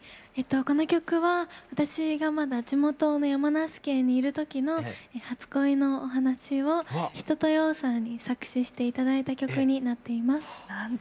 この曲は私がまだ地元の山梨県にいる時の初恋のお話を一青窈さんに作詞して頂いた曲になっています。